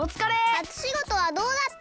はつしごとはどうだった？